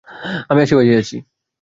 আমি আশেপাশেই আছি।